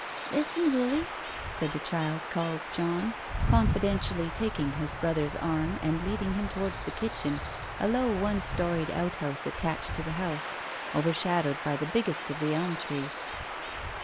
"Listen, Willie," said the child called John, confi dentially taking his brother's arm, and leading him towards the kitchen, a low, one storied outhouse attached to the house, overshadowed by the biggest of the elm trees.